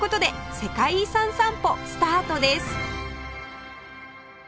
世界遺産散歩スタートです